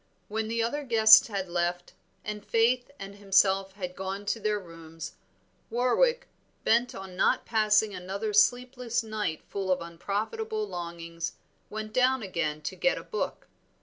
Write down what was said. When the other guests had left, and Faith and himself had gone to their rooms, Warwick, bent on not passing another sleepless night full of unprofitable longings, went down again to get a book.